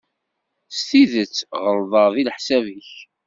S tidet ɣelḍeɣ deg leḥsab-ik.